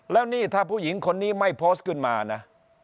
แล้วนี่ถ้าผู้หญิงคนนี้ไม่โพสต์ขึ้นมานะ